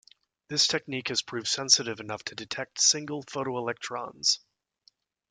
This technique has proved sensitive enough to detect single photoelectrons.